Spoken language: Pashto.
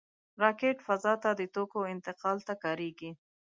راکټ فضا ته د توکو انتقال ته کارېږي